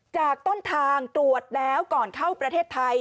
จากต้นทางตรวจแล้วก่อนเข้าประเทศไทย